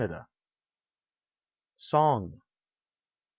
SONG.